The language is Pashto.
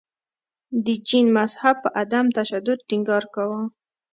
د جین مذهب په عدم تشدد ټینګار کاوه.